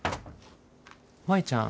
舞ちゃん？